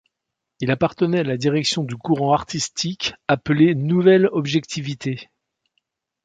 Il appartenait à la direction du courant artistique appelé Nouvelle Objectivité.